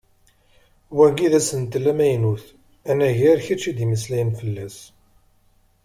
Wagi d asentel amaynut anagar kečč i d-yemmeslayen fell-as.